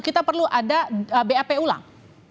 kita perlu ada bap ulang